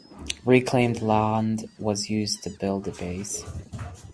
Reclaimed land was used to built the base.